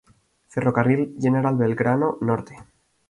Ferrocarril General Belgrano "Norte".